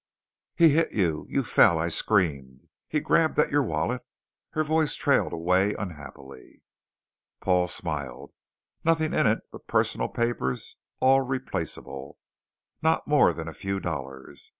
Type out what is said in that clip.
He hit you. You fell. I screamed. He grabbed at your wallet " Her voice trailed away unhappily. Paul smiled. "Nothing in it but personal papers all replaceable. Not more than a few dollars.